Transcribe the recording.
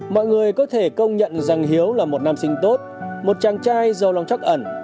mọi người có thể công nhận rằng hiếu là một nam sinh tốt một chàng trai giàu lòng chắc ẩn